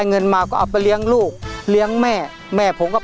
เพลงนี้อยู่ในอาราบัมชุดแรกของคุณแจ็คเลยนะครับ